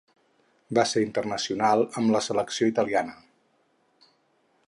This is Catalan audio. Va ser internacional amb la selecció italiana.